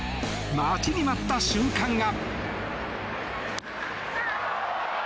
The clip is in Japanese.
待ちに待った瞬間が。